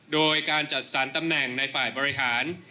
โดยการจัดสรรตำแหน่งในฝ่ายบริหาร